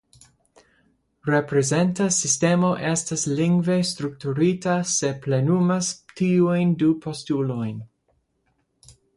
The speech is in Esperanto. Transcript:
Reprezenta sistemo estas lingve strukturita se plenumas tiujn du postulojn.